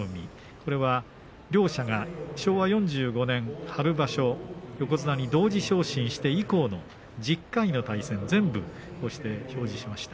これは両者が昭和４５年春場所横綱に同時昇進して以降の１０回の対戦全部を表示しました。